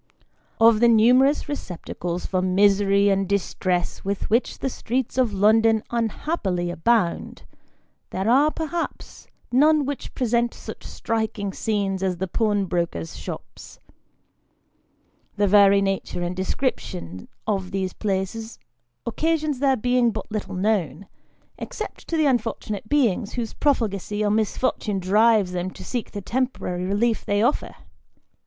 OP the numerous receptacles for misery and distress with which the streets of London unhappily abound, there are, perhaps, none which present such striking scenes as the pawnbrokers' shops. The very nature and description of these places occasion their being but little known, except to the unfortunate beings whose profligacy or misfor tune drives them to seek the temporary relief they offer.